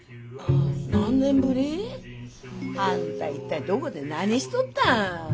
何年ぶり？あんた一体どこで何しとった？